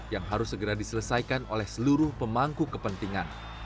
yang harus segera diselesaikan oleh seluruh pemangku kepentingan